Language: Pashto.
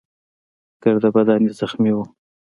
ګرده بدن يې زخمي وو.